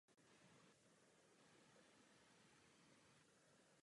Záhy ukončil sportovní kariéru.